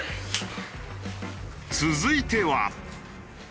続いては。